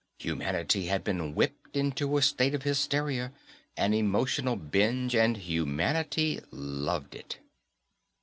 Humanity had been whipped into a state of hysteria, an emotional binge, and humanity loved it.